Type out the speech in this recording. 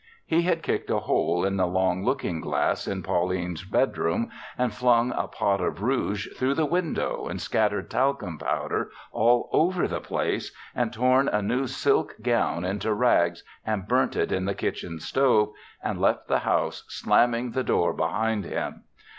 He had kicked a hole in the long looking glass in Pauline's bedroom and flung a pot of rouge through the window and scattered talcum powder all over the place and torn a new silk gown into rags and burnt it in the kitchen stove and left the house slamming the door behind him.